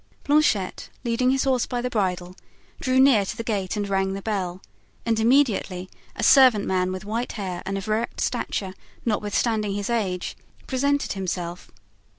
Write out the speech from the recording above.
Planchet, leading his horse by the bridle, drew near to the gate and rang the bell, and immediately a servant man with white hair and of erect stature, notwithstanding his age, presented himself.